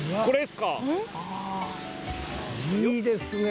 「いいですね」